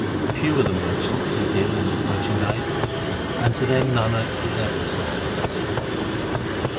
Few are the merchants who deal in this merchandise, And to them Nanak is ever a sacrifice.